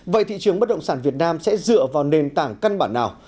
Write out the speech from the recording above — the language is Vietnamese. vậy thị trường bất động sản việt nam sẽ dựa vào nền tảng căn bản nào